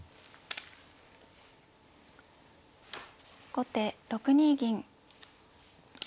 後手６二銀。